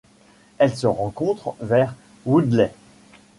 Elle se rencontre vers Woodleigh.